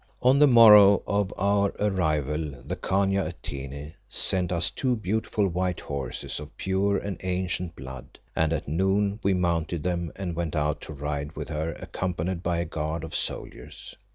On the morrow of our arrival the Khania Atene sent us two beautiful white horses of pure and ancient blood, and at noon we mounted them and went out to ride with her accompanied by a guard of soldiers.